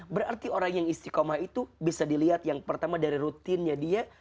berarti orang yang istiqomah itu bisa dilihat yang pertama dari rutinnya dia